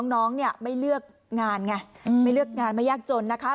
น้องเนี่ยไม่เลือกงานไงไม่เลือกงานไม่ยากจนนะคะ